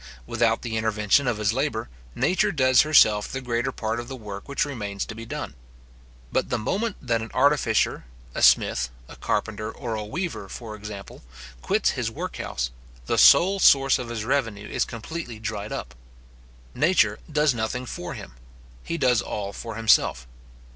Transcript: Without the intervention of his labour, Nature does herself the greater part of the work which remains to be done. But the moment that an artificer, a smith, a carpenter, or a weaver, for example, quits his workhouse, the sole source of his revenue is completely dried up. Nature does nothing for him; he does all for himself.